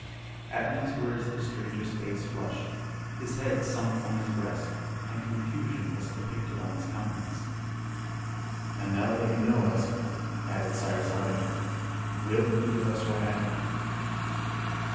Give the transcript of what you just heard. At these words the stranger's face flushed, his head sunk on his breast, and confusion was depicted on his countenance. "And now that you know us," added Cyrus Harding, "will you give us your hand?"